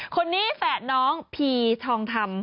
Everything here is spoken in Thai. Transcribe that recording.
คนนี้แฝดน้องพีทองทำ